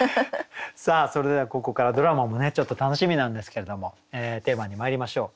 さあそれではここからドラマもねちょっと楽しみなんですけれどもテーマにまいりましょう。